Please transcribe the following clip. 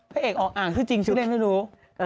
พระเอกอ๋อ่างชื่อจริงชุดเล่นให้ดู